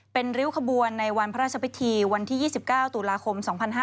เป็นริ้วขบวนในวันพระราชพิธีวันที่๒๙ตุลาคม๒๕๕๙